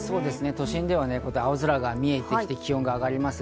都心では青空が見えてきて、気温が上がります。